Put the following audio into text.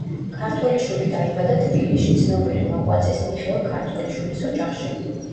ქართველიშვილი დაიბადა თბილისში, ცნობილი მოღვაწის მიხეილ ქართველიშვილის ოჯახში.